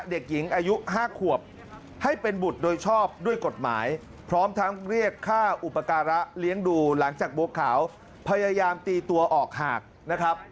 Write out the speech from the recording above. เด็กหญิงอายุ๕ขวบให้เป็นบุตรโดยชอบด้วยกฎหมายพร้อมทั้งเรียกค่าอุปการะเลี้ยงดูหลังจากบัวขาวพยายามตีตัวออกหากนะครับ